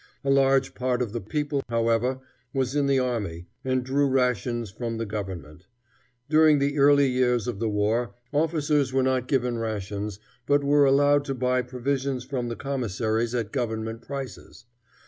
A large part of the people, however, was in the army, and drew rations from the government. During the early years of the war, officers were not given rations, but were allowed to buy provisions from the commissaries at government prices.